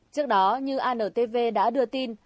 trước đó như antv đã đưa tin